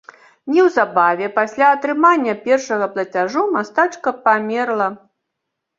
Неўзабаве пасля атрымання першага плацяжу мастачка памерла.